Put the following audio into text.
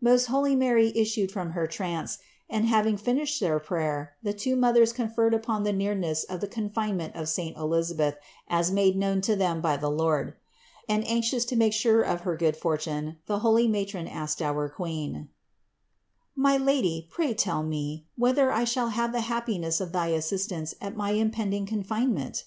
267. Most holy Mary issued from her trance and, hav ing finished their prayer, the two mothers conferred upon the nearness of the confinement of saint Elisabeth as made known to them by the Lord; and anxious to make sure of her good fortune, the holy matron asked our Queen : "My Lady, pray tell me, whether I shall have the hap piness of thy assistance at my impending confinement?"